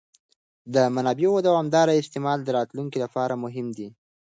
د منابعو دوامداره استعمال د راتلونکي لپاره مهم دی.